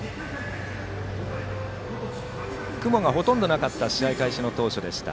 雲がほとんどなかった試合開始当初でした。